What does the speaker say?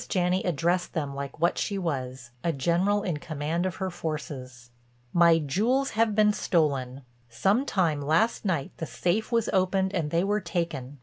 Janney addressed them like what she was—a general in command of her forces: "My jewels have been stolen. Some time last night the safe was opened and they were taken.